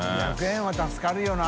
３００円は助かるよな。